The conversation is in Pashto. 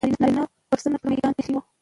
نارینه و سرونه پر میدان ایښي وو.